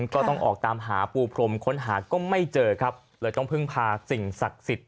ก็ต้องออกตามหาปูพรมค้นหาก็ไม่เจอครับเลยต้องพึ่งพาสิ่งศักดิ์สิทธิ์